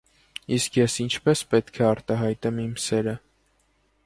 Իսկ ես ինչպե՞ս պետք է արտահայտեմ իմ սերը։